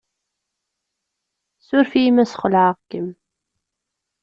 Suref-iyi ma ssxelεeɣ-kem.